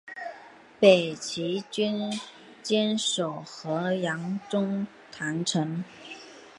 北齐军坚守河阳中潭城。